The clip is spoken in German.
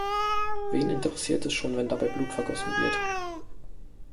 Wen interessiert es schon, wenn dabei Blut vergossen wird?